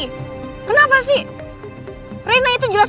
kamu selalu mikirin reina reina reina lagi